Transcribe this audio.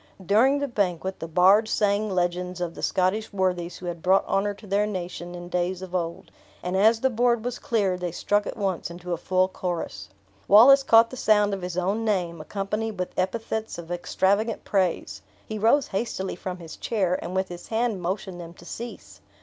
During the banquet the bards sung legends of the Scottish worthies who had brought honor to their nation in days of old; and as the board was cleared, they struck at once into a full chorus. Wallace caught the sound of his own name, accompanied with epithets of extravagant praise; he rose hastily from his chair, and with his hand motioned them to cease.